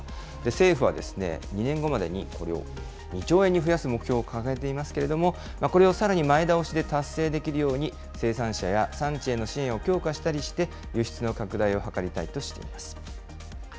政府はですね、２年後までにこれを２兆円に増やす目標を掲げていますけれども、これをさらに前倒しで達成できるように、生産者や産地への支援を強化したりして、輸出の拡大を図りたいとしています。